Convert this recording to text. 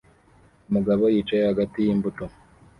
Umugabo yicaye hagati yimbuto